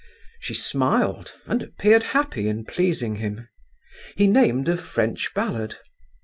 She smiled and appeared happy in pleasing him. He named a French ballad.